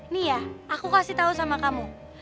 nih ya aku kasih tahu sama kamu